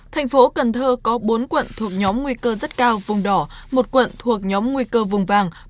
thành phố cần thơ có bốn quận thuộc nhóm nguy cơ rất cao vùng đỏ một quận thuộc nhóm nguy cơ vùng vàng